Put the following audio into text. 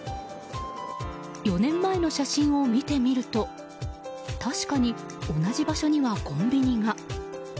４年前の写真を見てみると確かに同じ場所にはコンビニが。